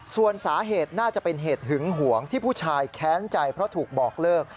ส่วนสาเหตุน่าจะเป็นเหตุหึงหวงที่ผู้ชายแค้นใจเพราะถูกบอกเลิก